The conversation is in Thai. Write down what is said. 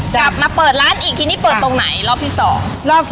กลับมาเปิดร้านอีกทีนี้เปิดตรงไหนรอบที่๒รอบ